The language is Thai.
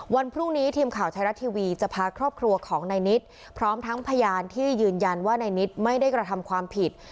วันพรุ่งนี้ทีมข่าวไทยรัฐทีวีจะพาครอบครัวของนายนิดพร้อมทั้งพยานที่ยืนยันว่านายนิดไม่ได้กระทำความผิด